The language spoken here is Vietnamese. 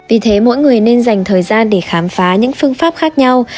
vì thế mỗi người nên dành thời gian để khám phá những phương pháp khác nhau